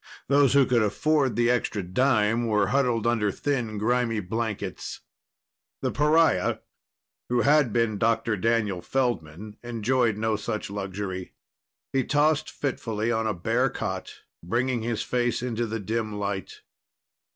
Those who could afford the extra dime were huddled under thin, grimy blankets. The pariah who had been Dr. Daniel Feldman enjoyed no such luxury. He tossed fitfully on a bare cot, bringing his face into the dim light.